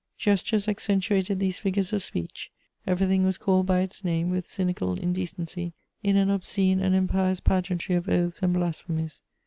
Gestures accentuated these figures of speech; everything was called by its name, with cynical indecency, in an obscene and impious pageantry of oaths and blasphemies.